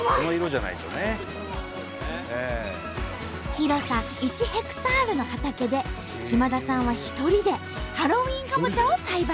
広さ１ヘクタールの畑で島田さんは１人でハロウィーンかぼちゃを栽培。